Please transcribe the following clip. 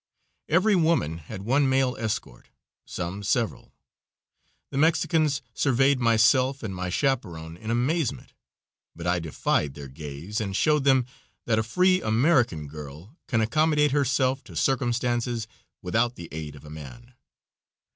Every woman had one male escort, some several. The Mexicans surveyed myself and my chaperone in amazement, but I defied their gaze and showed them that a free American girl can accommodate herself to circumstances without the aid of a man.